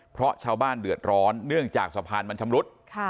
เพราะชาวบ้านเดือดร้อนเนื่องจากสะพานมันชำรุด